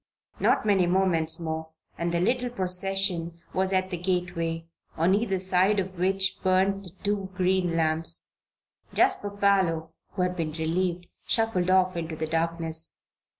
Not many moments more and the little procession was at the gateway, on either side of which burned the two green lamps. Jasper Parloe, who had been relieved, shuffled off into the darkness.